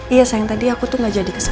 iya sayang tadi aku tuh gak jadi